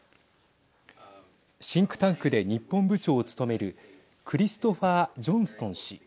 シンクタンクで日本部長を務めるクリストファー・ジョンストン氏。